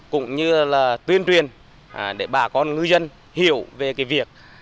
cũng như tuyên truyền để bà con ngư dân hiểu về việc